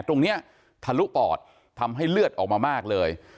ตรงเนี้ยทะลุออดทำให้เลือดออกมามากเลย